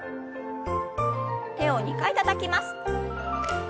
手を２回たたきます。